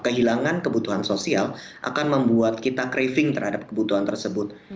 kehilangan kebutuhan sosial akan membuat kita craving terhadap kebutuhan tersebut